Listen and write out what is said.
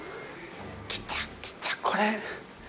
来た、来た、これ！